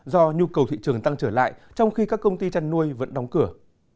do nhu cầu thị trường tăng trở lại trong khi các công ty chăn nuôi vẫn đóng cửa